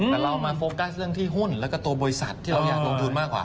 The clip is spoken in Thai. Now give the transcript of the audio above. แต่เรามาโฟกัสเรื่องที่หุ้นแล้วก็ตัวบริษัทที่เราอยากลงทุนมากกว่า